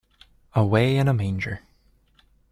Away in a Manger.